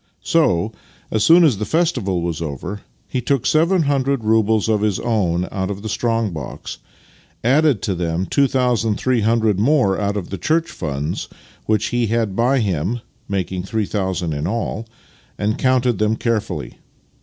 So, as soon as ever the festival was over, he took seven hundred roubles of his own out of the strong box, added to them two thousand three hundred more out of the church funds which he had by him (making three thousand in all) , and counted them carefully.